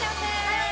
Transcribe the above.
はい！